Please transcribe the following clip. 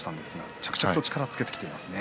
着々と力をつけていますね。